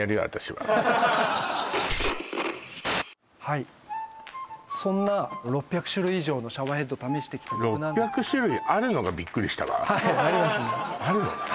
はいそんな６００種類以上のシャワーヘッドを試してきた６００種類あるのがビックリしたわはいありますねあるのね